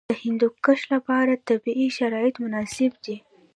د هندوکش لپاره طبیعي شرایط مناسب دي.